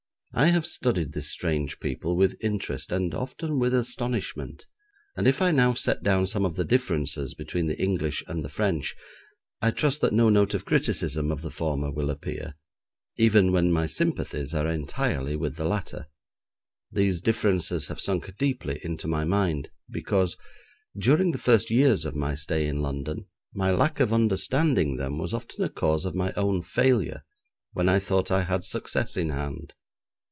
I have studied this strange people with interest, and often with astonishment, and if I now set down some of the differences between the English and the French, I trust that no note of criticism of the former will appear, even when my sympathies are entirely with the latter. These differences have sunk deeply into my mind, because, during the first years of my stay in London my lack of understanding them was often a cause of my own failure when I thought I had success in hand.